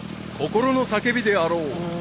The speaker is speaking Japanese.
［心の叫びであろう］